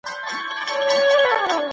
د ټولنيز عدالت غوښتنه مشروع ده.